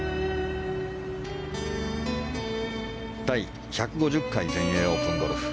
第１５０回全英オープンゴルフ。